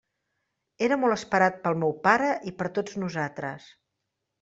Era molt esperat pel meu pare i per tots nosaltres.